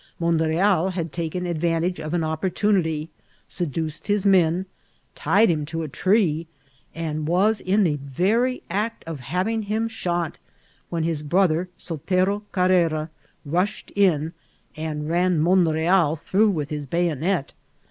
Monreal had taken advantage of an opportunity, seduced his men, tied him to a tree, and was in the very act of having him shot, when his brother Sotero Carrera rushed in, and ran Monreal through with his bayonet.